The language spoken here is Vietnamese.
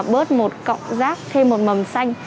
bớt một cọng rác thêm một mầm xanh